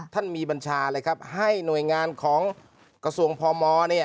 ท่านมีบัญชาเลยครับให้หน่วยงานของกระทรวงพม